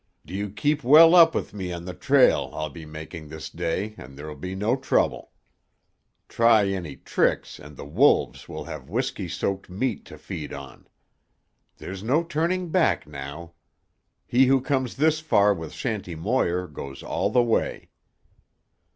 Do you keep well up with me on the trail I'll be making this day and there'll be no trouble. Try any tricks and the wolves will have whiskey soaked meat to feed on. There's no turning back now. He who comes this far with Shanty Moir goes all the way."